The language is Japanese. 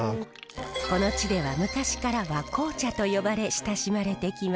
この地では昔から和紅茶と呼ばれ親しまれてきました。